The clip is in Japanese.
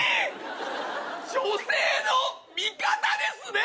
女性の味方ですね！